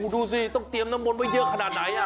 ดูสิต้องเตรียมน้ำมนต์ไว้เยอะขนาดไหน